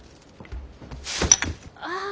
ああ。